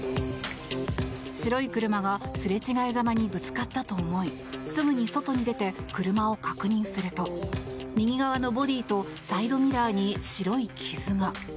白い車がすれ違いざまにぶつかったと思いすぐに外に出て車を確認すると右側のボディーとサイドミラーに白い傷が。